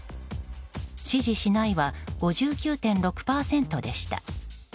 支持しないは５９．６％でした。